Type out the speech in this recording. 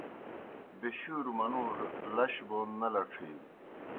بَیشُوروْ منُوڙَوْ لش بون نہ لڇِھینوْ۔